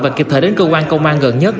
và kịp thời đến cơ quan công an gần nhất